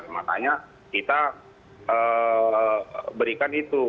makanya kita berikan itu